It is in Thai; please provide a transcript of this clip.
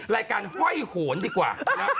รายการห้อยโหนดีกว่า